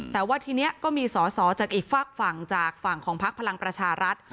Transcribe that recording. แต่ว่าทีนี้ก็มีสอสอจากอีกฝากฝั่งจากฝั่งของพักพลังประชารัฐ